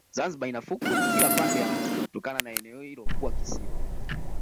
zanzibar ina fukwe Kila pande ya mji kutokana na eneo hilo kuwa kisiwa